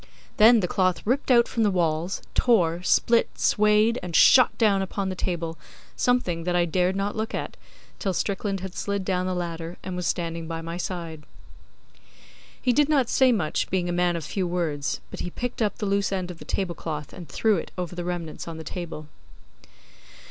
Then the cloth ripped out from the walls, tore, split, swayed, and shot down upon the table something that I dared not look at, till Strickland had slid down the ladder and was standing by my side. He did not say much, being a man of few words; but he picked up the loose end of the tablecloth and threw it over the remnants on the table.